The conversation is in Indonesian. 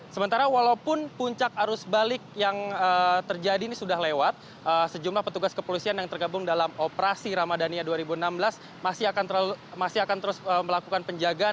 sementara walaupun puncak arus balik yang terjadi ini sudah lewat sejumlah petugas kepolisian yang tergabung dalam operasi ramadhania dua ribu enam belas masih akan terus melakukan penjagaan